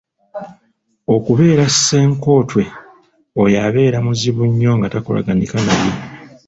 Okubeera Ssenkotwe; oyo abeera muzibu nnyo nga takolaganika naye.